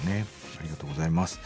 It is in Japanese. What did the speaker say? ありがとうございます。